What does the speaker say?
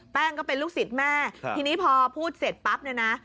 ก็เป็นลูกศิษย์แม่ทีนี้พอพูดเสร็จปั๊บเนี่ยนะ